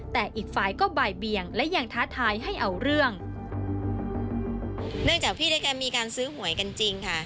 แต่อีกฝ่ายก็บ่ายเบียงและยังท้าทายให้เอาเรื่องเนื่องจากพี่ด้วยกันมีการซื้อหวยกันจริงค่ะ